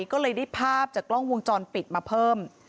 ก็เลยได้ภาพจากกล้องวงจรปิดมาเพิ่ม